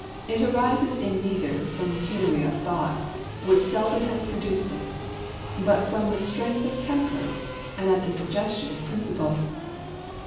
167 it arises in neither from penury of thought — which seldom has produced it — but from the strength of temperance, and at the suggestion of principle.